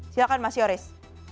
silakan mas yoris